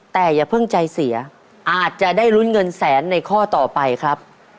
แต่อย่าเพิ่งใจเสียอาจจะได้ลุ้นเงินแสนในข้อต่อไปครับ